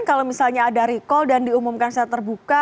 kalau misalnya ada recall dan diumumkan secara terbuka